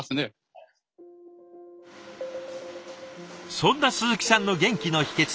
そんな鈴木さんの元気の秘けつ。